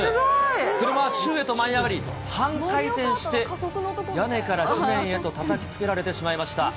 車は宙へと舞い上がり、半回転して、屋根から地面へとたたきつけられてしまいました。